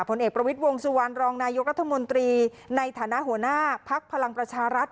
ผลเอกประวิทย์วงสุวรรณรองนายกรัฐมนตรีในฐานะหัวหน้าภักดิ์พลังประชารัฐ